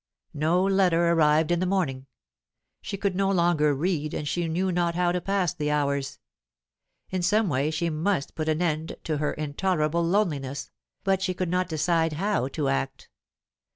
No letter arrived in the morning. She could no longer read, and knew not how to pass the hours. In some way she must put an end to her intolerable loneliness, but she could not decide how to act.